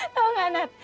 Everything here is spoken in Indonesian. tau gak nat